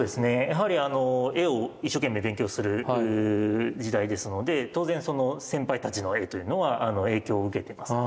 やはりあの絵を一生懸命勉強する時代ですので当然その先輩たちの絵というのは影響を受けています。